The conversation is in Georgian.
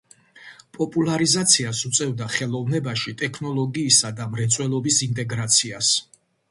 პოპულარიზაციას უწევდა ხელოვნებაში ტექნოლოგიისა და მრეწველობის ინტეგრაციას.